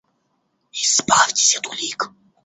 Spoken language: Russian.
Избавьтесь от улик.